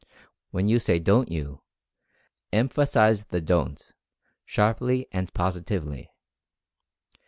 When you say "don't you," emphasize the "dorit'/ sharply and positively.